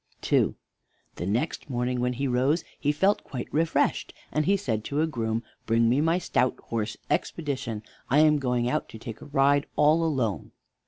II The next morning when he rose he felt quite refreshed, and he said to a groom: "Bring me my stout horse, Expedition; I am going out to take a ride all alone."